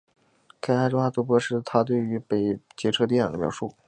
该案的重大突破是她对于被劫车地点的描述。